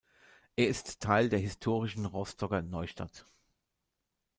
Er ist Teil der historischen Rostocker "Neustadt".